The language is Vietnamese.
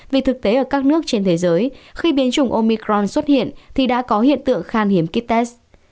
vì thực tế ở các nước trên thế giới khi biến chủng omicron xuất hiện thì đã có hiện tượng khan hiếm kites